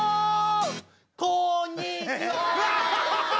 こんにちは！